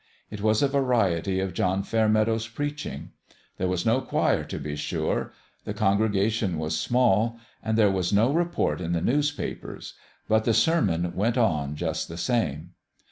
It was a variety of John Fairmeadow's preaching. There was no choir, to be sure, the congregation was small, and there was no report in the news papers ; but the sermon went on just the same.